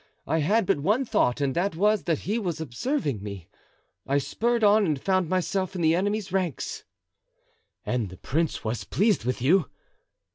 I had but one thought and that was that he was observing me. I spurred on and found myself in the enemy's ranks." "And the prince was pleased with you?"